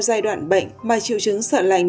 giai đoạn bệnh mà triệu chứng sợ lạnh